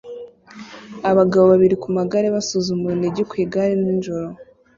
Abagabo babiri ku magare basuzuma urunigi ku igare nijoro